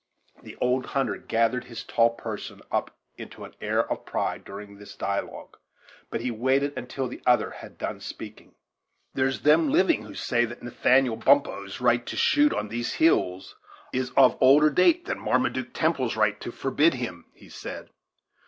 The old hunter gathered his tall person up into an air of pride during this dialogue, but he waited until the other had done speaking. "There's them living who say that Nathaniel Bumppo's right to shoot on these hills is of older date than Marmaduke Temple's right to forbid him," he said.